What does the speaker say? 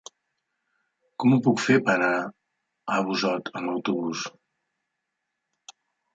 Com ho puc fer per anar a Busot amb autobús?